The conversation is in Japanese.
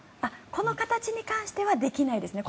この形に関してはできないですね。